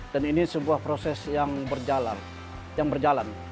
dan ini sebuah proses yang berjalan